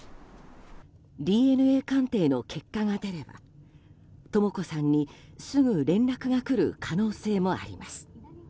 ＤＮＡ鑑定の結果が出ればとも子さんにすぐ連絡が来る可能性もあります。